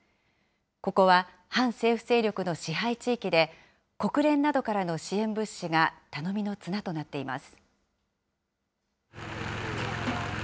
ここは反政府勢力の支配地域で、国連などからの支援物資が頼みの綱となっています。